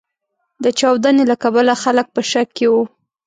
د چاودنې له کبله خلګ په شک کې و.